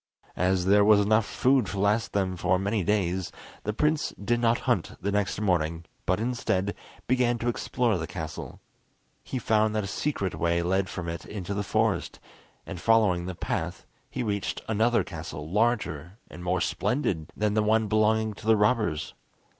As there was enough food to last them for many days, the prince did not hunt the next morning, but, instead, began to explore the castle. He found that a secret way led from it into the forest; and following the path, he reached another castle larger and more splendid than the one belonging to the robbers.